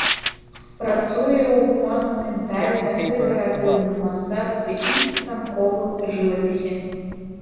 Працуе ў манументальна-дэкаратыўным мастацтве і станковым жывапісе.